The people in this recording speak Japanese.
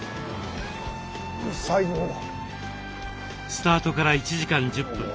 スタートから１時間１０分。